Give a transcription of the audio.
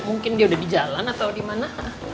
mungkin dia udah di jalan atau di mana